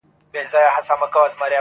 د رڼا لمن خپره سي بیا تیاره سي.